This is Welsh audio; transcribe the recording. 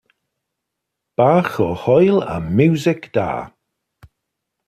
Bach o hwyl a miwsig da.